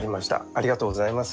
ありがとうございます。